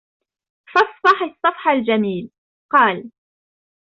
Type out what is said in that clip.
فَاصْفَحْ الصَّفْحَ الْجَمِيلَ قَالَ